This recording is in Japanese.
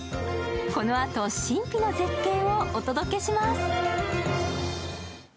このあと神秘の絶景をお届けします。